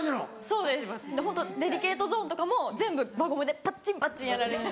そうですホントデリケートゾーンとかも全部輪ゴムでパッチンパッチンやられる。